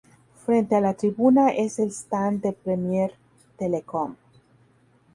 Frente a la tribuna es el stand de Premier Telecom.